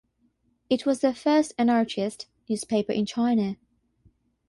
It was the first anarchist newspaper in China.